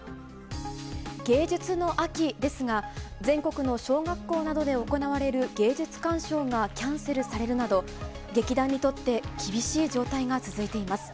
芸術の秋ですが、全国の小学校などで行われる芸術鑑賞がキャンセルされるなど、劇団にとって厳しい状態が続いています。